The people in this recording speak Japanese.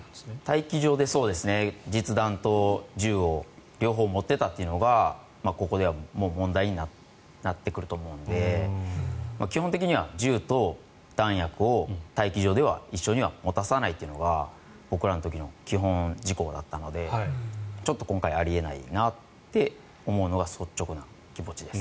待機場で実弾と銃を両方持っていたというのがここでは問題になってくると思うので基本的には銃と弾薬を待機場では一緒には持たさないというのが僕らの時の基本事項だったのでちょっと今回あり得ないなって思うのが率直な気持ちです。